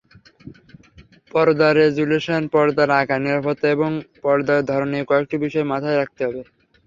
পর্দারেজ্যুলেশন, পর্দার আকার, নিরাপত্তা এবং পর্দার ধরন—এ কয়েকটি বিষয় মাথায় রাখতে হবে।